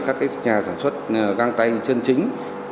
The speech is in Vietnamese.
các nhà sản xuất găng tay chân chính